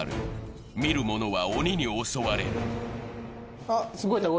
見る者は鬼に襲われる。